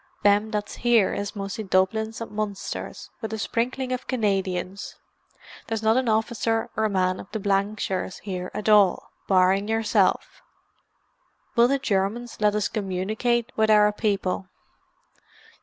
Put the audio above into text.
Them that's here is mostly Dublins and Munsters, with a sprinkling of Canadians. There's not an officer or man of the Blankshires here at all, barring yourself." "Will the Germans let us communicate with our people?"